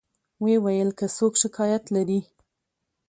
و یې ویل که څوک شکایت لري.